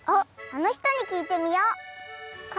あのひとにきいてみよう！